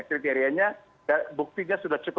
kriteriannya buktinya sudah cepat